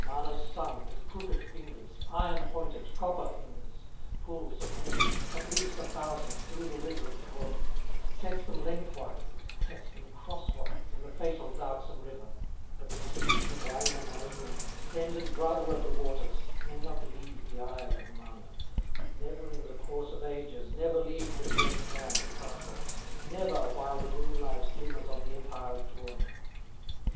Mana's son with crooked fingers, Iron pointed, copper fingers, Pulls of nets, at least a thousand, Through the river of Tuoni, Sets them lengthwise, sets them crosswise, In the fatal, darksome river, That the sleeping Wainamoinen, Friend and brother of the waters, May not leave the isle of Mana, Never in the course of ages, Never leave the death land castles, Never while the moonlight glimmers On the empire of Tuoni.